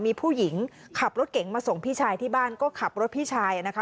มีผู้หญิงขับรถเก๋งมาส่งพี่ชายที่บ้านก็ขับรถพี่ชายนะคะ